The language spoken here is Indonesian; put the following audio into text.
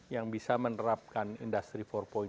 yang bisa menerapkan industri empat